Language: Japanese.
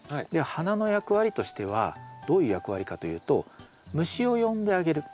花の役割としてはどういう役割かというと虫を呼んであげる。